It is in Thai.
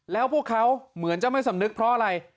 แล้วพวกเขาเหมือนจะไม่สำนึกเพราะอะไร